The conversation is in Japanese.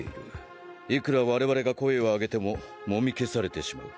いくら我々が声を上げてももみ消されてしまう。